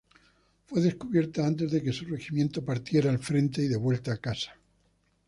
Fue descubierta antes de que su regimiento partiera al frente y devuelta a casa.